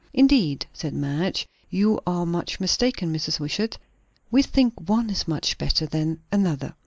"Indeed," said Madge, "you are much mistaken, Mrs. Wishart. We think one is much better than another."